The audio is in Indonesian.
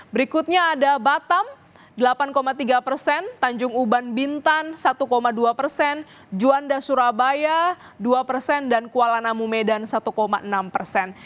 berikutnya ada batam delapan tiga persen tanjung uban bintan satu dua persen juanda surabaya dua persen dan kuala namu medan satu enam persen